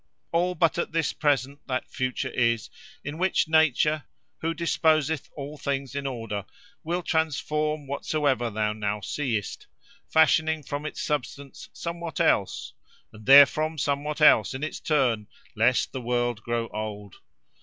"All but at this present that future is, in which nature, who disposeth all things in order, will transform whatsoever thou now seest, fashioning from its substance somewhat else, and therefrom somewhat else in its turn, lest the world grow old.